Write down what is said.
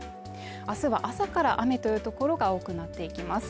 明日は朝から雨というところが多くなっていきます。